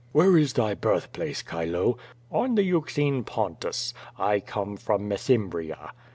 "Where is thy birthplace, Chilor "On the Euxine Pontus. I come from Mesembria."